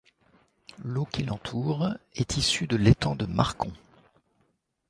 L’eau qui l'entoure est issue de l’étang de Marcon.